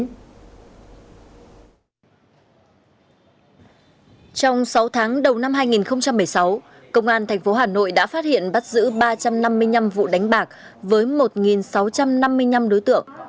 trong sáu tháng đầu năm hai nghìn một mươi sáu công an tp hà nội đã phát hiện bắt giữ ba trăm năm mươi năm vụ đánh bạc với một sáu trăm năm mươi năm đối tượng